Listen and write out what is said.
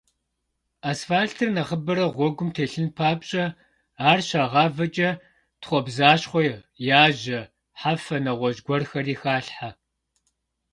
Асфальтыр нэхъыбэрэ гъуэгум телъын папщӏэ, ар щагъавэкӏэ тхъуэбзащхъуэ, яжьэ, хьэфэ, нэгъуэщӏ гуэрхэри халъхьэ.